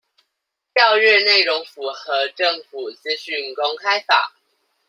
調閱內容符合政府資訊公開法